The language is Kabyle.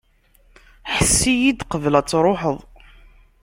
Hess-iyi-d qbel ad truḥeḍ.